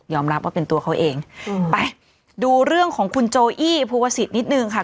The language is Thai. รับว่าเป็นตัวเขาเองอืมไปดูเรื่องของคุณโจอี้ภูวสิทธินิดนึงค่ะ